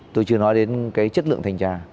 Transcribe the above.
tôi chưa nói đến cái chất lượng thanh tra